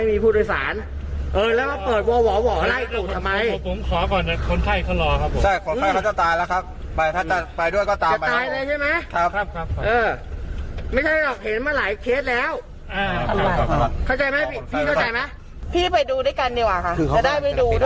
พี่ไปดูด้วยกันดีกว่าค่ะจะได้ไปดูด้วย